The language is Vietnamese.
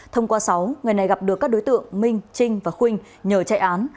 thông qua sáu người này gặp được các đối tượng minh trinh và khuynh nhờ chạy án